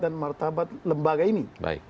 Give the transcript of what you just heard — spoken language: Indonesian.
dan martabat lembaga ini